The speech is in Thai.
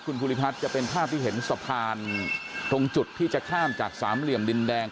คุณภูริพัฒน์จะเป็นภาพที่เห็นสะพานตรงจุดที่จะข้ามจากสามเหลี่ยมดินแดง